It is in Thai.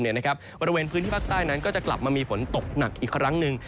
บริเวณพื้นที่ภาคใต้นั้นก็จะกลับมามีฝนตกหนักอีกครั้งหนึ่ง